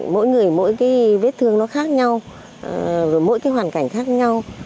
mỗi người mỗi cái vết thương nó khác nhau rồi mỗi cái hoàn cảnh khác nhau